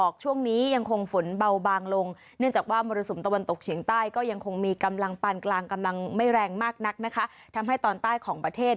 กลางกำลังไม่แรงมากนักนะคะทำให้ตอนใต้ของประเทศ